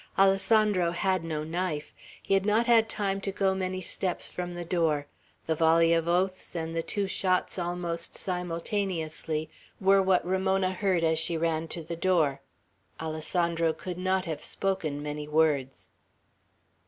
Alessandro had no knife. He had not had time to go many steps from the door; the volley of oaths, and the two shots almost simultaneously, were what Ramona heard as she ran to the door. Alessandro could not have spoken many words.